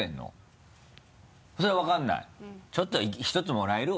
ちょっとひとつもらえる？